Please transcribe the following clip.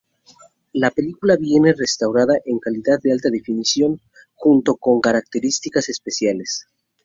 La película viene restaurada en calidad de alta definición junto con características especiales.